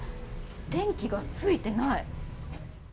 電気がついてない。